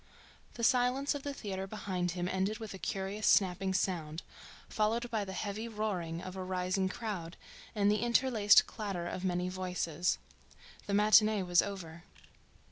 The silence of the theatre behind him ended with a curious snapping sound, followed by the heavy roaring of a rising crowd and the interlaced clatter of many voices. The matinee was over.